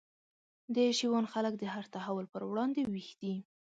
د شېوان خلک د هر تحول پر وړاندي ویښ دي